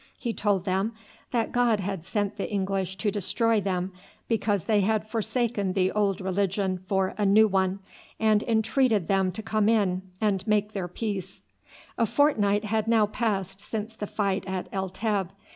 He told them that God had sent the English to destroy them because they had forsaken the old religion for a new one, and entreated them to come in and make their peace. A fortnight had now passed since the fight at El Teb.